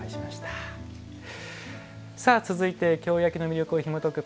続いて京焼の魅力をひもとく